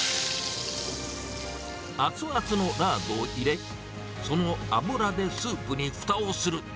熱々のラードを入れ、その脂でスープにふたをする。